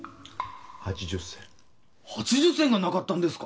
８０銭８０銭がなかったんですか！？